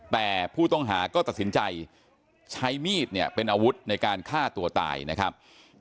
แต่ผู้ต้องหาก็ตัดสินใจใช้มีดเนี่ยเป็นอาวุธในการฆ่าตัวตายนะครับ